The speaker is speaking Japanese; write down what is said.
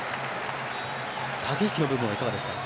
駆け引きの部分はいかがですか？